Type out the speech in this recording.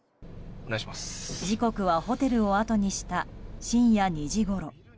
時刻はホテルをあとにした深夜２時ごろ。